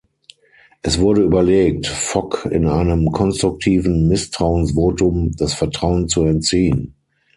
Es wurde überlegt, Fock in einem konstruktiven Misstrauensvotum das Vertrauen zu entziehen.